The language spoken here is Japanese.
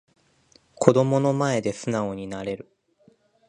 子供の前で素直になれる